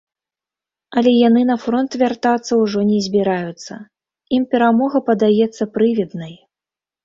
Але яны на фронт вяртацца ўжо не збіраюцца, ім перамога падаецца прывіднай.